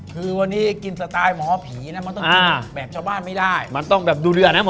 คือวันนี้กินสไตล์หมอผีมันมีการแบบชาวบ้านไม่ได้มันต้องเลือกเนี่ยหมอ